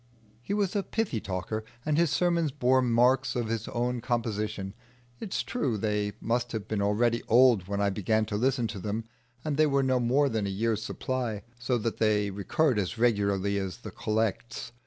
He was a pithy talker, and his sermons bore marks of his own composition. It is true, they must have been already old when I began to listen to them, and they were no more than a year's supply, so that they recurred as regularly as the Collects.